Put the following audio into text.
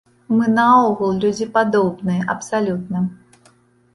Мы наогул людзі падобныя абсалютна.